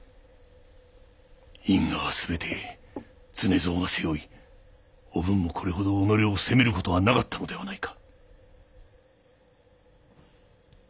因果はすべて常蔵が背負いおぶんもこれほど己を責める事はなかったのではないか？